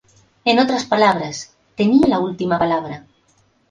En otras palabras, tenía la última palabra.